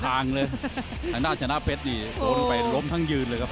ทางหน้าชนะเพชรนี่โดนไปล้มทั้งยืนเลยครับ